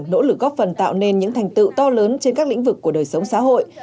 nỗ lực góp phần tạo nên những thành tựu to lớn trên các lĩnh vực của đời sống xã hội